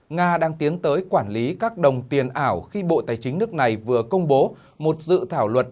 nga đang tiến tới quản lý các đồng tiền ảo khi bộ tài chính nước này vừa công bố một dự thảo luật